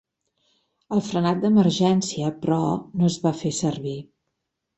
El frenat d'emergència, però, no es va fer servir.